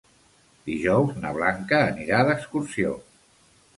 Dijous na Blanca anirà d'excursió.